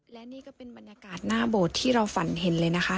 และนี่ก็เป็นบรรยากาศหน้าโบสถ์ที่เราฝันเห็นเลยนะคะ